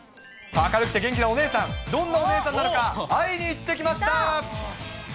明るくて元気なお姉さん、どんなお姉さんなのか、会いに行ってきました。